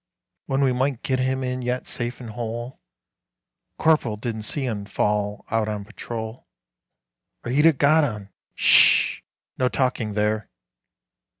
When we might get him in yet safe and whole!" "Corporal didn't see 'un fall out on patrol, Or he'd 'a got 'un." "Sssh!" "No talking there."